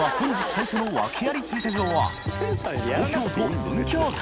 最初のワケあり駐車場は錣嫌だ。